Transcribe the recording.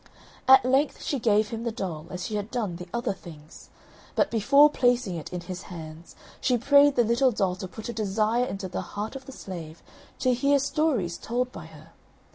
At length she gave him the doll, as she had done the other things, but before placing it in his hands, she prayed the little doll to put a desire into the heart of the Slave to hear stories told by her.